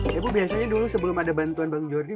ya ibu biasanya dulu sebelum ada bantuan bang jordi